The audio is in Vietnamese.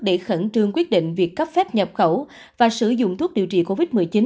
để khẩn trương quyết định việc cấp phép nhập khẩu và sử dụng thuốc điều trị covid một mươi chín